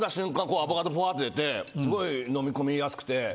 アボカドふわっと出てすごいのみ込みやすくて。